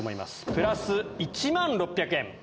プラス１万６００円。